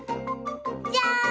じゃん！